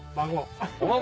孫。